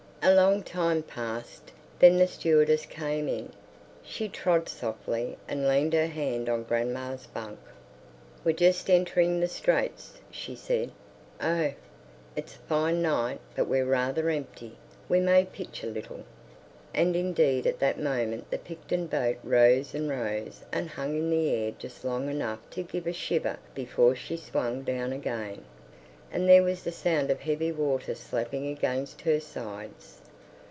A long time passed. Then the stewardess came in; she trod softly and leaned her hand on grandma's bunk. "We're just entering the Straits," she said. "Oh!" "It's a fine night, but we're rather empty. We may pitch a little." And indeed at that moment the Picton Boat rose and rose and hung in the air just long enough to give a shiver before she swung down again, and there was the sound of heavy water slapping against her sides.